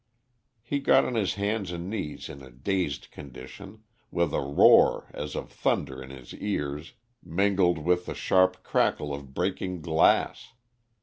He got on his hands and knees in a dazed condition, with a roar as of thunder in his ears, mingled with the sharp crackle of breaking glass.